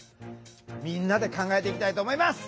みんなで考えていきたいと思います。